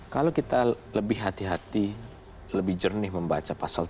kalau kita lebih hati hati lebih jernih membaca pasal tiga puluh